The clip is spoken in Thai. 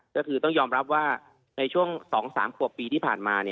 ก็คือต้องยอมรับว่าในช่วง๒๓ขวบปีที่ผ่านมา